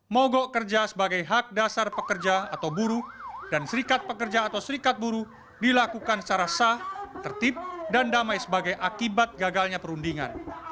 mogok kerja sebagai hak dasar pekerja atau buruh dan serikat pekerja atau serikat buru dilakukan secara sah tertib dan damai sebagai akibat gagalnya perundingan